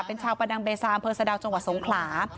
เป็นชาวประดังเบซาอำเภอสะดาวจังหวัดสงขลา